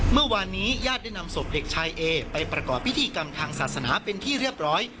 เมื่อวานนี้ญาติได้นำศพเด็กชายเอไปประกอบพิธีกรรมทางศาสนาเป็นที่เรียบร้อย